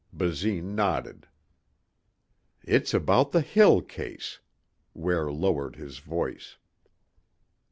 Basine nodded. "It's about the Hill case," Ware lowered his voice.